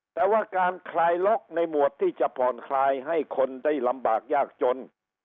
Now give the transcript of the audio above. แต่ว่าการคลายล็อกในหมวดที่จะผ่อนคลายให้คนได้ลำบากยากจน